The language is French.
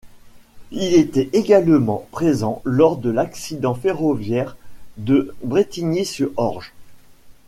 Il était également présent lors de l'accident ferroviaire de Brétigny-sur-Orge.